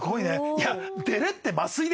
いや。